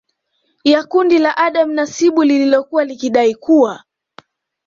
ya kundi la Adam Nasibu lililokuwa likidai kuwa